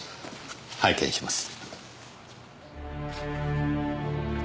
拝見します。